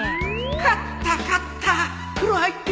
勝った勝った！